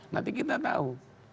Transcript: nanti kita tahu